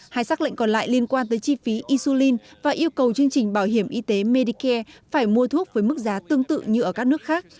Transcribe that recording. hai xác lệnh còn lại liên quan tới chi phí insulin và yêu cầu chương trình bảo hiểm y tế medicare phải mua thuốc với mức giá tương tự như ở các nước khác